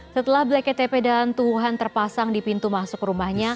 setelah bleket tepe dan tubuhan terpasang di pintu masuk rumahnya